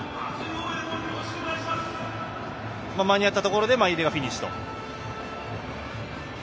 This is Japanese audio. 間に合ったところで井出がフィニッシュと。